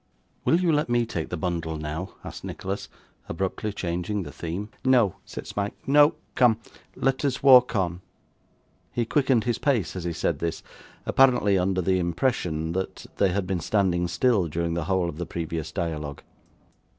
'Will you let me take the bundle now?' asked Nicholas, abruptly changing the theme. 'No,' said Smike, 'no. Come, let us walk on.' He quickened his pace as he said this, apparently under the impression that they had been standing still during the whole of the previous dialogue.